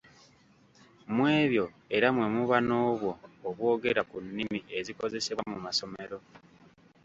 Mu ebyo era mwe muba n’obwo obwogera ku nnimi ezikozesebwa mu masomero.